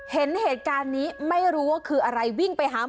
เห็นเหตุการณ์นี้ไม่รู้ว่าคืออะไรวิ่งไปหาหมอ